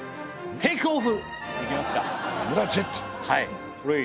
テイクオフ！